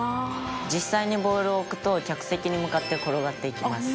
「実際にボールを置くと客席に向かって転がっていきます」